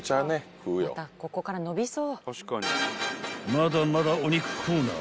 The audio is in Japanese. ［まだまだお肉コーナー